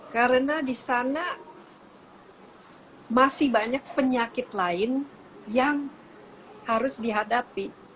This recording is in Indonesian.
karena di sana masih banyak penyakit lain yang harus dihadapi